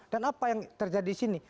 dan apa yang terjadi di sini